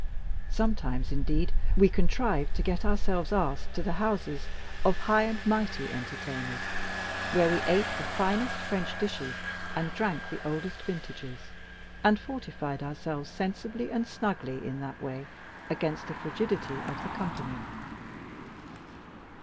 Sometimes, indeed, we contrived to get ourselves asked to the houses of high and mighty entertainers, where we ate the finest French dishes and drank the oldest vintages, and fortified ourselves sensibly and snugly in that way against the frigidity of the company.